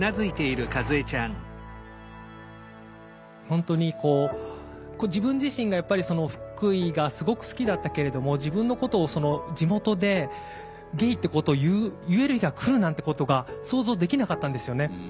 本当に自分自身がやっぱり福井がすごく好きだったけれども自分のことを地元でゲイってことを言える日が来るなんてことが想像できなかったんですよね。